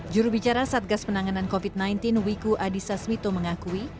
jurubicara satgas penanganan covid sembilan belas wiku adhisa smito mengakui